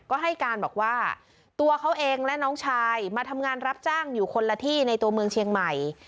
ก็ให้การบอกว่าตัวเขาเองและน้องชายมาทำงานรับจ้างอยู่คนละที่ในตัวเมืองเชียงใหม่